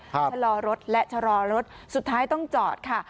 ชะลอรถและชะลอรถสุดท้ายต้องจอดค่ะ